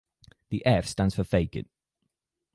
The "f" stands for "fecit".